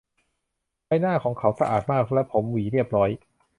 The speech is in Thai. ใบหน้าของเขาสะอาดมาก และผมหวีเรียบร้อย